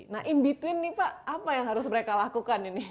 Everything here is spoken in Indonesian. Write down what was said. nah in between nih pak apa yang harus mereka lakukan ini